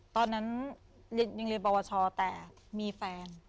ตอนนั้นยังเรียนปวชแต่มีแฟน